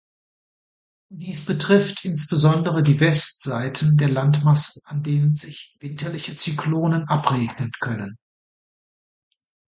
Dies betrifft insbesondere die Westseiten der Landmassen, an denen sich winterliche Zyklonen abregnen können.